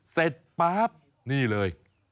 เสร็จป๊าบนี่เลย